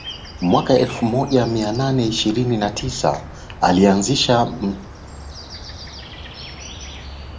Mwaka elfu moja mia nane ishirini na tisa alianzisha mashamba ya mikarafuu